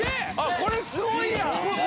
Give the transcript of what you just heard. これすごいやん！